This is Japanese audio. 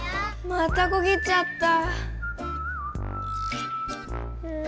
またこげちゃった。